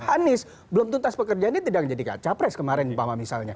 anies belum tuntas pekerjaannya tidak jadi capres kemarin mpama misalnya